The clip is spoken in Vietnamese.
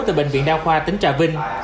từ bệnh viện đa khoa tỉnh trà vinh